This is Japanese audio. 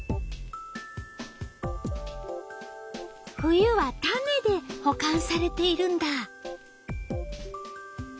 冬は種でほかんされているんだ。